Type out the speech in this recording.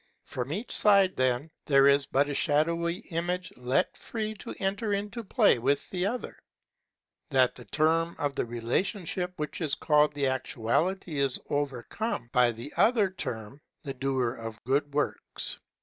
From each side, then, there is but a shadowy image let free to enter into play with the other ^V That term of the relationship which is 7* called the Actuality is overcome by the other term, the doer of good works.